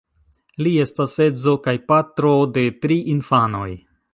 Li estas edzo kaj patro de tri infanoj.